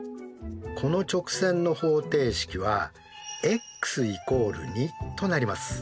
この直線の方程式はｘ＝２となります。